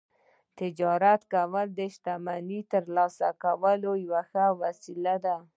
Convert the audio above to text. تجارت کول د شتمنۍ ترلاسه کولو یوه ښه وسیله وه